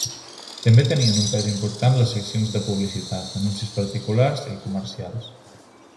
També tenien un pes important les seccions de publicitat, anuncis particulars i comercials.